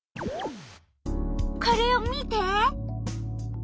これを見て！